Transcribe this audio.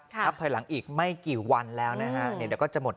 นับถอยหลังอีกไม่กี่วันแล้วนะฮะเดี๋ยวก็จะหมด